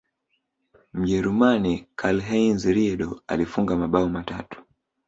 mjerumani karlheinz riedle alifunga mabao matatu